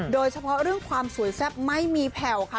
โดยเฉพาะเรื่องความสวยแซ่บไม่มีแผ่วค่ะ